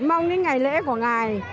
mong đến ngày lễ của ngài